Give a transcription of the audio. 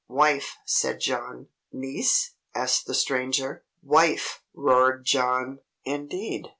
"Wife," said John. "Niece?" asked the Stranger. "Wife," roared John. "Indeed?"